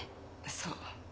そう。